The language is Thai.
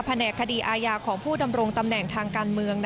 แหนกคดีอาญาของผู้ดำรงตำแหน่งทางการเมือง